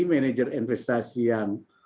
manajer investasi yang